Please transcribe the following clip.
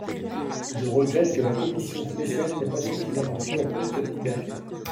Je regrette que la commission spéciale n’ait pas suffisamment pris en compte cette liberté.